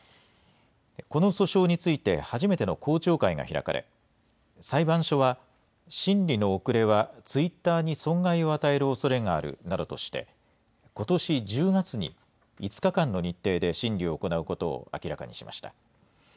この訴訟について、初めての公聴会が開かれ、裁判所は、審理の遅れは、ツイッターに損害を与えるおそれがあるなどとして、ことし１０月に５日間の日程で審理を行うことを明らかにしました。